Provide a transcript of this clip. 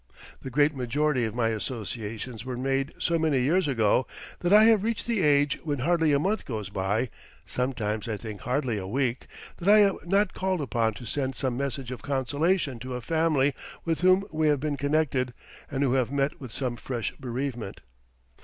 The great majority of my associations were made so many years ago, that I have reached the age when hardly a month goes by (sometimes I think hardly a week) that I am not called upon to send some message of consolation to a family with whom we have been connected, and who have met with some fresh bereavement.